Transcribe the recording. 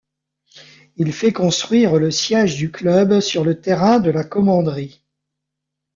Il fait construire le siège du club sur le terrain de la Commanderie.